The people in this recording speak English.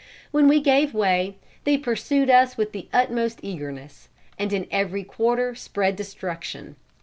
When we gave way, they pursued us with the utmost eagerness, and in every quarter spread destruction.